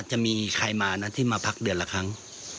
จะมีใครมานะที่มาพักเดือนละครั้ง